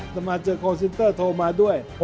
สมัครเจอโคลเซ็นเตอร์โทรมาด้วย